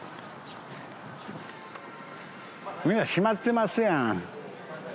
皆閉まってますやん。